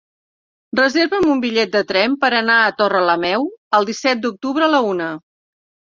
Reserva'm un bitllet de tren per anar a Torrelameu el disset d'octubre a la una.